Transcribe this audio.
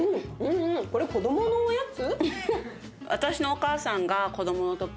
これ子どものおやつ？